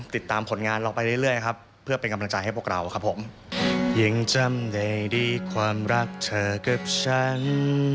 ติดตามผลงานเราไปเรื่อยครับเพื่อเป็นกำลังใจให้พวกเราครับผม